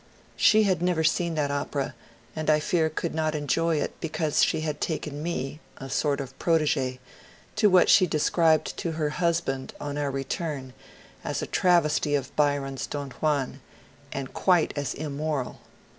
She had never seen that opera, and I fear could not enjoy it because she had taken me (a sort of prot^g^) to what she described to her husband on our return as a travesty of Byron's ^^ Don Juan " and quite as immoral.